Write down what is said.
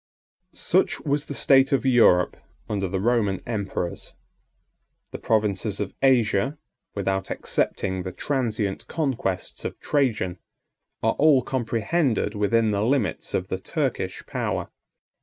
Such was the state of Europe under the Roman emperors. The provinces of Asia, without excepting the transient conquests of Trajan, are all comprehended within the limits of the Turkish power.